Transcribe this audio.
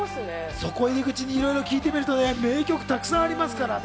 そこを入り口に聴いてみると名曲がたくさんありますからね。